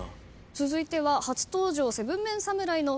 続いては初登場。